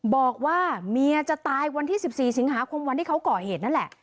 บอกว่าเมียจะตายวันที่๑๔สิงหาคมวันที่เขาก่อเหตุนั่นแหละ